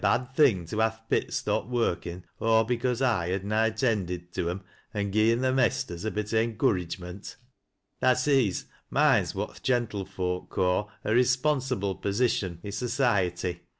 bad thing to ha' th' pits stop workin' aw because I had ij« attended to 'em, an' gi'en th' mesters a bit o' encourag* ment. Tha sees mine's what th' gentlefolk ca' a responsi ble position i' society.